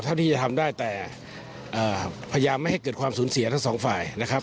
เท่าที่จะทำได้แต่พยายามไม่ให้เกิดความสูญเสียทั้งสองฝ่ายนะครับ